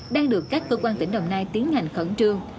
đang được các cơ quan tỉnh đồng nai tiến hành khẩn trương